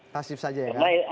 pasif saja ya